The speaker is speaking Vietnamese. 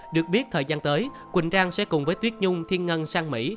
được biết thời gian tới quỳnh trang sẽ cùng với tuyết dung thiên ngân sang mỹ